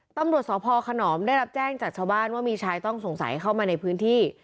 ตำรวจสพขนอมได้รับแจ้งจากชาวบ้านว่ามีชายต้องสงสัยเข้ามาในพื้นที่